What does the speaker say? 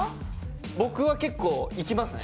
僕は結構行きますね。